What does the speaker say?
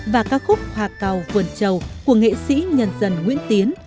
và ca khúc hòa cầu vườn trầu của nghệ sĩ nhân dân nguyễn tiến